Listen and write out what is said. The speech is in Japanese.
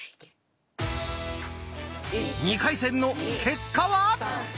２回戦の結果は？